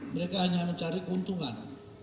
mereka hanya mencari keuntungan